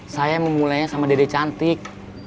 saya memulainya sama dede cantik